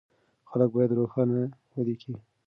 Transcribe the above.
خلک بايد روښانه وليکي.